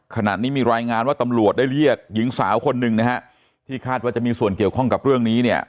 ขณะนี้มีรายงานว่าตำรวจได้เรียกหญิงสาวคนหนึ่งนะฮะที่คาดว่าจะมีส่วนเกี่ยวข้องกับเรื่องนี้เนี่ย